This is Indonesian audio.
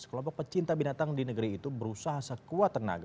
kelompok pecinta binatang di negeri itu berusaha sekuat tenaga